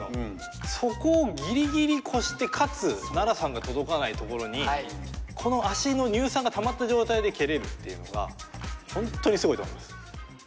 そこをギリギリ越してかつナラさんが届かない所にこの足の乳酸がたまった状態で蹴れるっていうのがホントにすごいと思います。